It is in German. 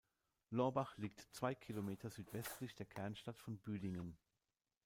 Lorbach liegt zwei Kilometer südwestlich der Kernstadt von Büdingen.